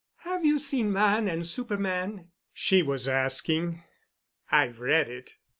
"Have you seen 'Man and Super man'?" she was asking. "I've read it."